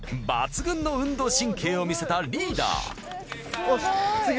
抜群の運動神経を見せたリーダー。